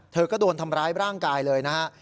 เธอก็โดนทำร้ายร่างกายเลยนะฮะ